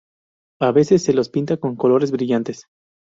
A veces se los pinta con colores brillantes.